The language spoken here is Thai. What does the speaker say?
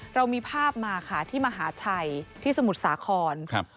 เรามีภาพมาค่ะที่มหาชัยที่สมุทรสาครครับ